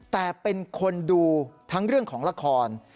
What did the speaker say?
แต่เป็นคนดูทั้งเรื่องของละคร